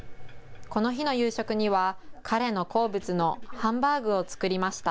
この日の夕食には彼の好物のハンバーグを作りました。